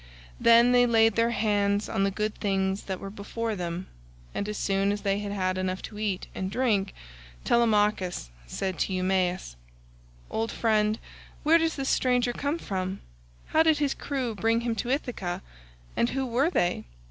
Then they laid their hands on the good things that were before them, and as soon as they had had enough to eat and drink Telemachus said to Eumaeus, "Old friend, where does this stranger come from? How did his crew bring him to Ithaca, and who were they?